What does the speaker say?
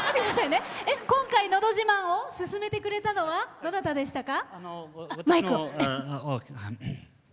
今回「のど自慢」をすすめてくれたのはどなたでしたか？